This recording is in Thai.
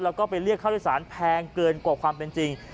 แล้วก็ไปเรียกค่าโดยสารแพงเกินกว่าความเป็นจริง